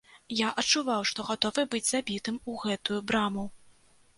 Я адчуваў, што гатовы быць забітым у гэтую браму.